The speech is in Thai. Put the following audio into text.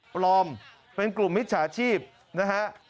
ปลอมเป็นกลุ่มมิจฉาชีพนะฮะ